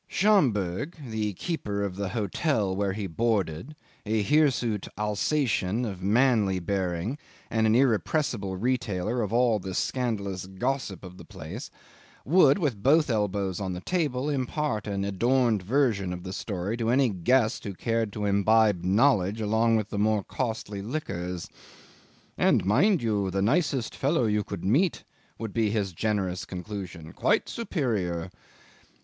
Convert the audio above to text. Schomberg, the keeper of the hotel where he boarded, a hirsute Alsatian of manly bearing and an irrepressible retailer of all the scandalous gossip of the place, would, with both elbows on the table, impart an adorned version of the story to any guest who cared to imbibe knowledge along with the more costly liquors. "And, mind you, the nicest fellow you could meet," would be his generous conclusion; "quite superior."